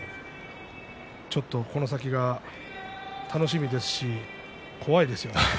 ちょっとこの先が楽しみですし怖いですよね。